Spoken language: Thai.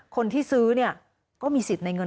คนที่ซื้อเนี่ยก็มีสิทธิ์ในเงิน